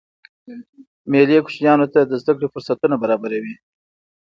مېلې کوچنيانو ته د زدهکړي فرصتونه برابروي.